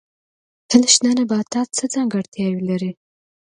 تل شنه نباتات څه ځانګړتیا لري؟